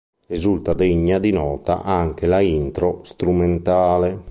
Risulta degna di nota anche la intro strumentale.